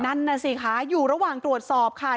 นั่นน่ะสิคะอยู่ระหว่างตรวจสอบค่ะ